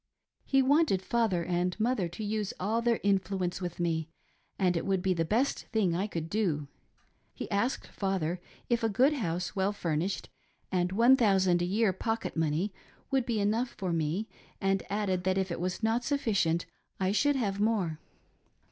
He wanted father and mother to use all their influence with me, as it would be the best thing I could do. He asked father if a good house, well furnished, and $i,ooo a year pocket money would be enough for me, and added that if it was • not enough I should have more.